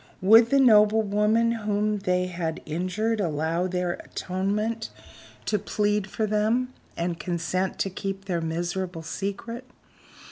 Would the noble woman whom they had injured allow their atonement to plead for them, and consent to keep their miserable secret?